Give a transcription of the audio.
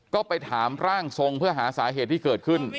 ก็ไปถามร่างทรงเพื่อหาสาเหตุที่เกิดขึ้น